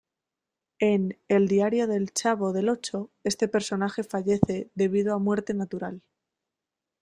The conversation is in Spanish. En "El Diario del Chavo del Ocho" este personaje fallece debido a "muerte natural".